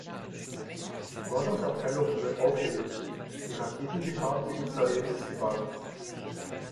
Die Forschungsabteilung wird aufgelöst, die Raketen-Gefahr für Israel ist gebannt.